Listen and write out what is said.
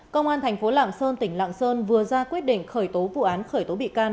công an thành phố lạng sơn tỉnh lạng sơn vừa ra quyết định khởi tố vụ án khởi tố bị can